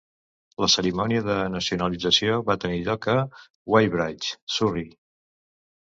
La cerimònia de nacionalització va tenir lloc a Weybridge, Surrey.